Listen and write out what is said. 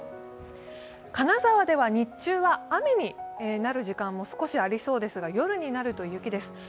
金沢では日中は雨になる時間も少しありそうですが夜になると雪です。